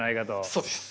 そうです。